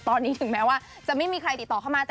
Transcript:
ตอนนี้ถึงแม้ว่าจะไม่มีใครติดต่อเข้ามา